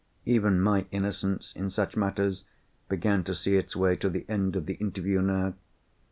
Even my innocence in such matters began to see its way to the end of the interview now.